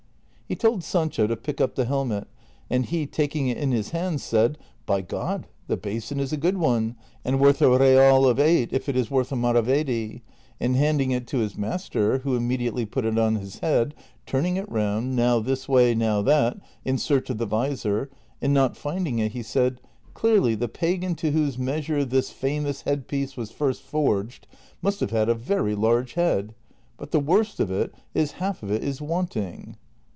He told Sancho to pick up the helmet, and he taking it in his hands said, " By God the basin is a good one, and worth a real of eight ^ if it is worth a maravedi," and handed it to his master, who immediately put it on his head, turning it round, now this way, now that, in search of the visor, and not finding it he said, "■ Clearly the pagan to whose measure this famous head piece was first forged must have had a very large head ; but the Avorst of it is half of it is wanting."